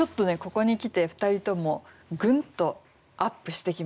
ここに来て２人ともぐんとアップしてきました。